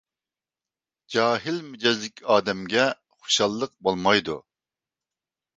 جاھىل مىجەزلىك ئادەمگە خۇشاللىق بولمايدۇ.